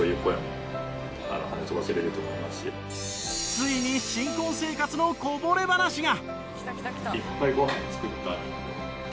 ついに新婚生活のこぼれ話が。